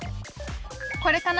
これかな？